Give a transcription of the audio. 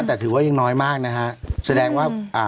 แต่ถือว่ายังน้อยมากนะฮะ